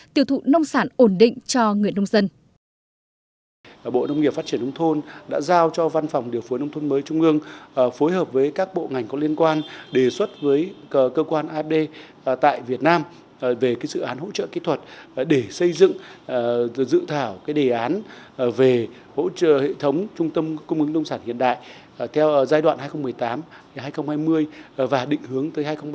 tiêu thụ nông sản ổn định cho người nông dân